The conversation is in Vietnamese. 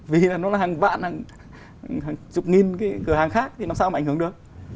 vì nó là hàng vạn hàng chục nghìn cái cửa hàng khác thì làm sao mà ảnh hưởng được